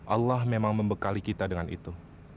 allah memang membekali kita dengan itu